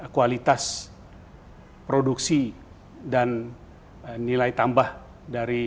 kualitas produksi dan nilai tambah dari